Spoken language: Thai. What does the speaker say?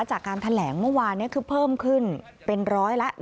จากการแถลงเมื่อวานนี้คือเพิ่มขึ้นเป็นร้อยละ๑๐